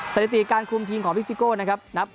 สถิติการคุมทีมของพิซิโก้นะครับ